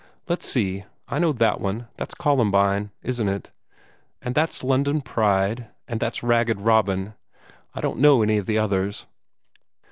"Let's see I know that one: that's columbine, isn't it? And that's London pride, and that's ragged robin. I don't know any of the others."